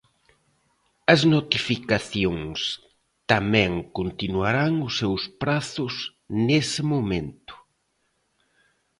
As notificacións tamén continuarán os seus prazos nese momento.